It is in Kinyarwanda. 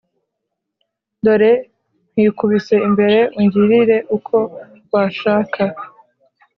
Dore nkwikubise imbere ungirira uko washaka